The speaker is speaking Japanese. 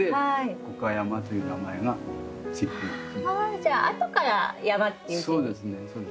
じゃああとから山っていう字に？